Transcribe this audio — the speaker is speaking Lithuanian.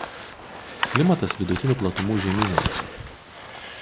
Klimatas vidutinių platumų žemyninis.